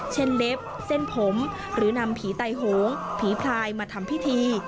เล็บเส้นผมหรือนำผีไตโหงผีพลายมาทำพิธี